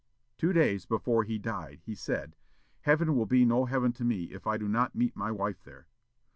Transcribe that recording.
Two days before he died, he said, "Heaven will be no Heaven to me if I do not meet my wife there."